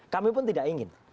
kami pun tidak ingin